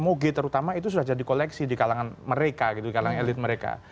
moge terutama itu sudah jadi koleksi di kalangan mereka gitu di kalangan elit mereka